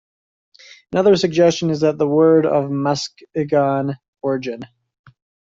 Another suggestion is that the word is of Muskogean origin.